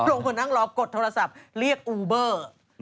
ลงคนนั่งรอกดโทรศัพท์เรียกอูเบอร์